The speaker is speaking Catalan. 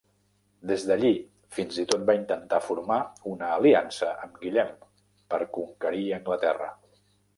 Des d'allí fins i tot va intentar formar una aliança amb Guillem, per conquerir Anglaterra.